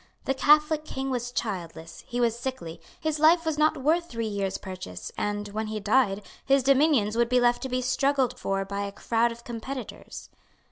The Catholic King was childless; he was sickly; his life was not worth three years' purchase; and when he died, his dominions would be left to be struggled for by a crowd of competitors.